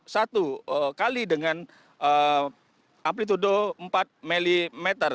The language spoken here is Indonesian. satu kali dengan amplitude empat mm